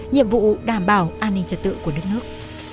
nhiệm vụ đảm bảo an ninh trật tự của đất nước